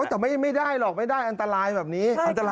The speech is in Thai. แต่ไม่ได้หรอกไม่ได้อันตรายแบบนี้อันตราย